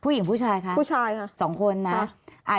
ผู้หญิงผู้ชายค่ะผู้ชายค่ะสองคนนะอ่า